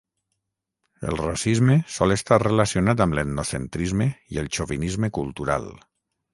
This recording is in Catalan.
El racisme sol estar relacionat amb l'etnocentrisme i el xovinisme cultural.